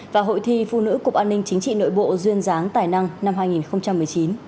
và hội thi phụ nữ cục an ninh chính trị nội bộ duyên giáng tài năng năm hai nghìn một mươi chín